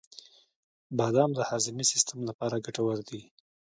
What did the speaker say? • بادام د هاضمې سیسټم لپاره ګټور دي.